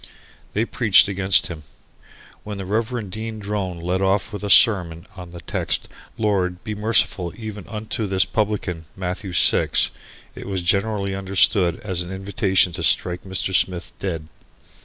They preached against him. When the Rev. Dean Drone led off with a sermon on the text "Lord be merciful even unto this publican Matthew Six," it was generally understood as an invitation to strike Mr. Smith dead.